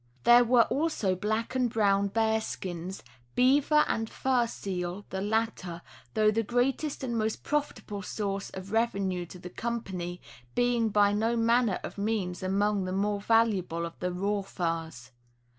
There were also black and brown bear skins, beaver, and fur seal, the latter, though the greatest and most profitable source of revenue to the Company, being by no manner of means among the more valuable of the raw furs.